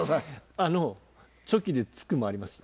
あのチョキで突くもありますよ。